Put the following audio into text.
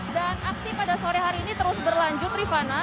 dan aksi pada sore hari ini terus berlanjut rifana